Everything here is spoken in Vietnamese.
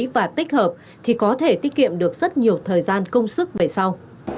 và tích hợp thì có thể tiết kiệm được rất nhiều thời gian công sức về sau